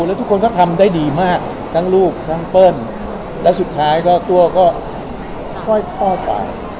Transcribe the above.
แล้วทุกคนก็ทำได้ดีมากทั้งลูกทั้งเปิ้ลแล้วสุดท้ายก็ตัวก็ค่อยเข้าไป